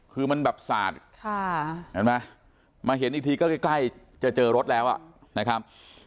คือมันแบบสาดเห็นไหมมาเห็นอีกทีก็ใกล้จะเจอรถแล้วนะครับ